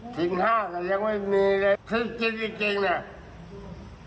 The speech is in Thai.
ทิ้งข้าวก็ยังไม่มีเลยคือจิ๊บจริงจริงแรก